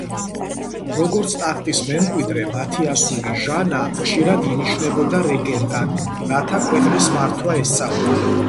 როგორც ტახტის მემკვიდრე, მათი ასული ჟანა ხშირად ინიშნებოდა რეგენტად, რათა ქვეყნის მართვა ესწავლა.